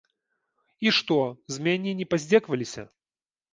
І што, з мяне не паздзекаваліся?